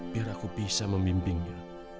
biar aku bisa memimpingnya